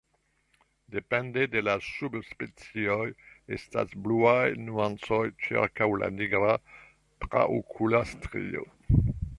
Depende de la subspecioj estas bluaj nuancoj ĉirkaŭ la nigra traokula strio.